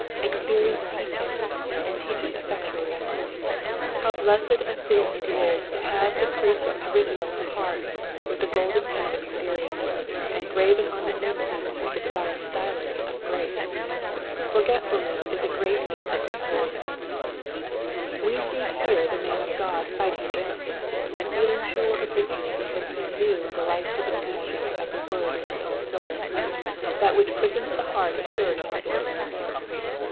Experience teaches, and teaches effectually. How blessed a thing it is to have the precepts Digitized by VjOOQIC PSALM OKE HUNPBBD AKD NUffETE EN— VERSES 89 TO 96. 215 written on the heart with the golden pea of experience, and graven on the memory with the divine stylus of grace. Forgetfulness is a great evil in holy things ; we see here the man of God figliting against it, and feeling sure of victory because he knew the life giving energy of the word in his own soul. That which quickens the heart is sure to quicken the memory.